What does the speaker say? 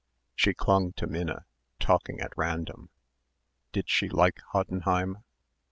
She clung to Minna, talking at random ... did she like Hoddenheim